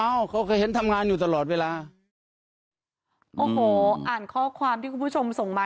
เขาเคยเห็นทำงานอยู่ตลอดเวลาโอ้โหอ่านข้อความที่คุณผู้ชมส่งมา